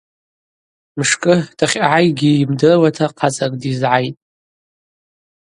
Мшкӏы, дахьъагӏайгьи йымдыруата хъацӏакӏ дйызгӏайтӏ.